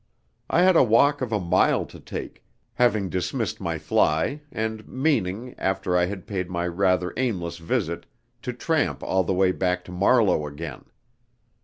I had a walk of a mile to take, having dismissed my fly, and meaning, after I had paid my rather aimless visit, to tramp all the way back to Marlow again.